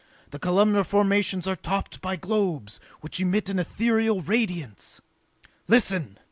The columnar formations are topped by globes which emit an ethereal radiance!" "Listen!"